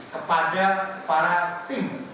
kepada para tim